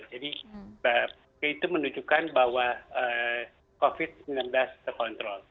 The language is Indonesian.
jadi itu menunjukkan bahwa covid sembilan belas terkontrol